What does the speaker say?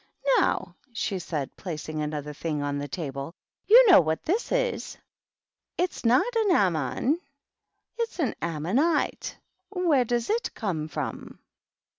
" Now," she said, placing another thing on the table, " you don't know what this is. It's not an ammon. It's an ammonife. Where does it come from